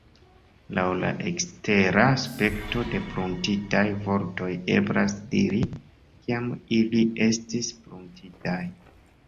Laŭ la ekstera aspekto de pruntitaj vortoj eblas diri, kiam ili estis pruntitaj.